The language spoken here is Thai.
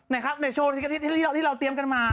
ในโชว์ที่เราเตรียมกันมา